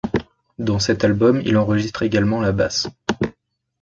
Dans cet album, il enregistre également la basse.